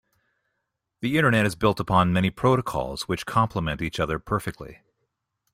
The internet is built upon many protocols which compliment each other perfectly.